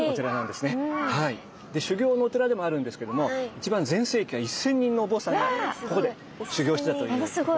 修行のお寺でもあるんですけども一番全盛期は１，０００人のお坊さんがここで修行してたという所なんですね。